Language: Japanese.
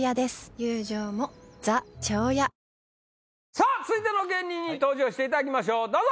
さぁ続いての芸人に登場していただきますどうぞ！